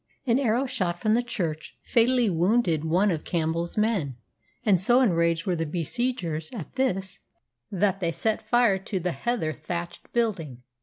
An arrow shot from the church fatally wounded one of Campbell's men, and so enraged were the besiegers at this that they set fire to the heather thatched building.